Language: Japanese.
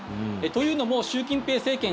というのも習近平政権